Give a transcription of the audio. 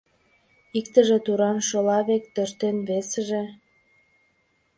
Иктыже туран шола век тӧрштен, весыже...